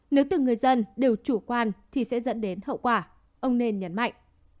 nếu từng người dân đều chủ quan thì sẽ dẫn đến hậu quả ông nên nhấn mạnh